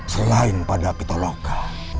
selain pada pitoloka